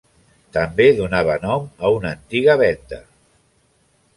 També donava nom a una antiga vénda.